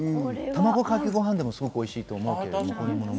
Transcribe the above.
卵かけご飯でもすごくおいしいと思う。